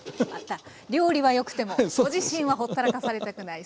料理はよくてもご自身はほったらかされたくない。